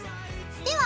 では